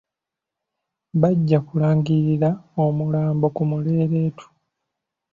Bajja kulangirira omulambo ku muleeretu.